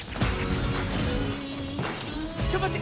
ちょっとまって。